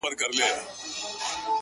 ستا د شعر دنيا يې خوښـه سـوېده ـ